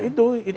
itu harus dibantu